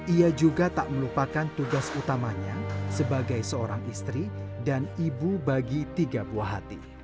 ia juga tak melupakan tugas utamanya sebagai seorang istri dan ibu bagi tiga buah hati